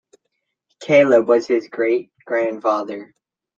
Caleb was his great-grandfather.